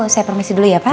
saya permisi dulu ya pak